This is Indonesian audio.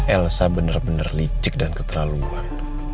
elsa bener bener licik dan keterlaluan